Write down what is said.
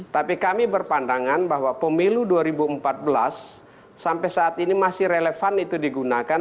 tapi kami berpandangan bahwa pemilu dua ribu empat belas sampai saat ini masih relevan itu digunakan